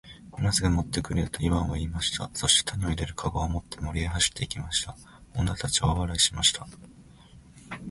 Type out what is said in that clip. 「今すぐ持って来るよ。」とイワンは言いました。そして種を入れる籠を持って森へ走って行きました。女たちは大笑いしました。